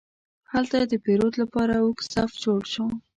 هلته د پیرود لپاره اوږد صف جوړ شو.